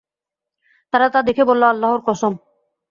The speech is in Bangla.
তারা তা দেখে বলল, আল্লাহর কসম!